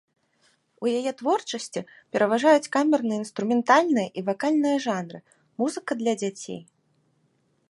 У яе творчасці пераважаюць камерна-інструментальныя і вакальныя жанры, музыка для дзяцей.